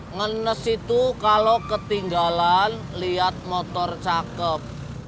ngenes itu kalau ketinggalan lihat motor cakep